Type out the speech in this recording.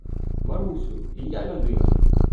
Марусю, і я людина!